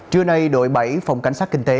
trưa nay đội bảy phòng cảnh sát kinh tế